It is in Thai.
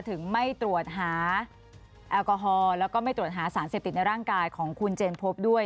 ถึงไม่ตรวจหาแอลกอฮอล์แล้วก็ไม่ตรวจหาสารเสพติดในร่างกายของคุณเจนพบด้วย